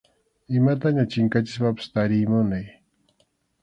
Imataña chinkachispapas tariy munay.